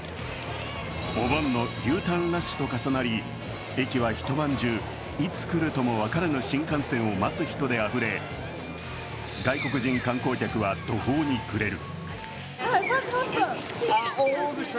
お盆のＵターンラッシュと重なり、駅は一晩中いつ来るとも分からぬ新幹線を待つ人であふれ外国人観光客は途方に暮れる。